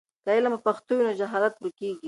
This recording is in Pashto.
که علم په پښتو وي نو جهالت ورکېږي.